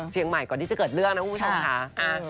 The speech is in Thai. ก่อนที่จะเกิดเรื่องนะคุณผู้ชมค่ะ